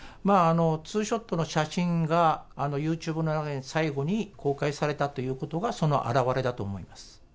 ツーショットの写真がユーチューブの最後に公開されたということが、その表れだと思います。